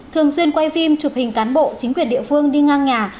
thường xuyên quay phim chụp hình cán bộ chính quyền địa phương đi ngang nhà